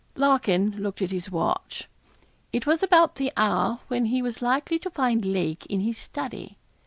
Larkin looked at his watch; it was about the hour when he was likely to find Lake in his study.